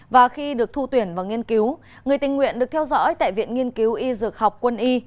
và khi được thu tuyển vào nghiên cứu người tình nguyện được theo dõi tại viện nghiên cứu y dược học quân y